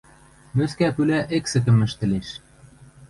Мӧскӓ пӱлӓ эксӹкӹм ӹштӹлеш.